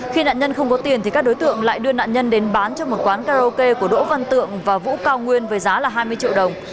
khi nạn nhân không có tiền thì các đối tượng lại đưa nạn nhân đến bán cho một quán karaoke của đỗ văn tượng và vũ cao nguyên với giá là hai mươi triệu đồng